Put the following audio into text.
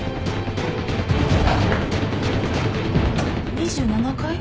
２７階？